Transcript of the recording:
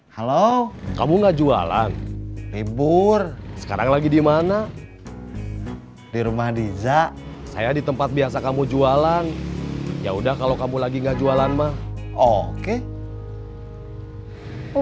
halo halo kamu enggak jualan libur sekarang lagi dimana di rumah diza saya di tempat biasa kamu jualan yaudah kalau kamu lagi enggak jualan ma okay